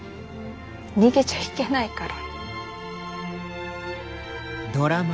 逃げちゃいけないから。